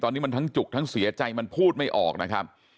ตอนนี้มันทั้งจุกทั้งเสียใจมันพูดไม่ออกนะครับ